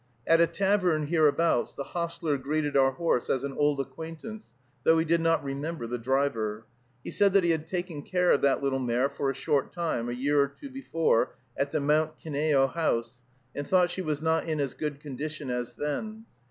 At a tavern hereabouts the hostler greeted our horse as an old acquaintance, though he did not remember the driver. He said that he had taken care of that little mare for a short time, a year or two before, at the Mount Kineo House, and thought she was not in as good condition as then.